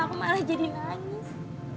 aku malah jadi nangis